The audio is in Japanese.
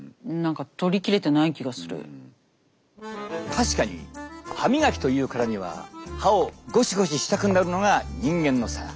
確かに歯みがきというからには歯をゴシゴシしたくなるのが人間のサガ。